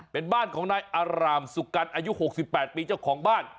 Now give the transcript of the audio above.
เป็นบ้านของนายอารามสุกัณฑ์อายุ๖๘ปีเจ้าของบ้าน